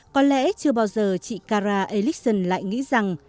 có lẽ chưa bao giờ chị cara elixon lại nghĩ rằng